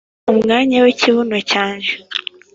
umwanya w'ikibuno cyanjye,